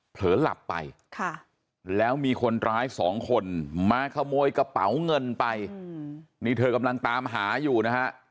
เผลอหลับไปแล้วมีคนร้ายสองคนมาขโมยกระเป๋าเงินไปนี่เธอกำลังตามหาอยู่นะฮะ